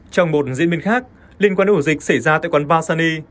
trong một diễn biến khác liên quan đến hổ dịch xảy ra tại quán bar sunny